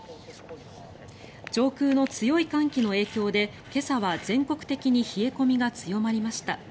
上空の強い寒気の影響で今朝は全国的に冷え込みが強まりました。